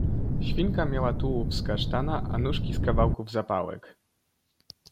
Świnka miała tułów z kasztana, a nóżki z kawałków zapałek.